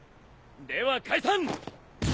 では解散！